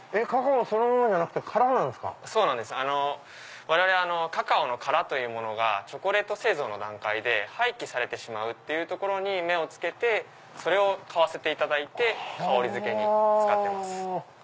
カカオそのままじゃなくて殻なんすか⁉我々カカオの殻というものがチョコレート製造の段階で廃棄されてしまうってところに目を付けてそれを買わせていただいて香りづけに使ってます。